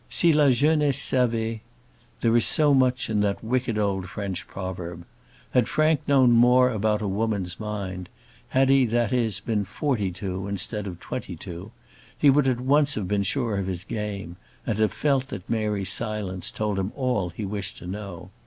"Si la jeunesse savait ..." There is so much in that wicked old French proverb! Had Frank known more about a woman's mind had he, that is, been forty two instead of twenty two he would at once have been sure of his game, and have felt that Mary's silence told him all he wished to know.